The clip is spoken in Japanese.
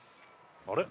あれ？